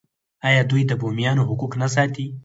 آیا دوی د بومیانو حقوق نه ساتي؟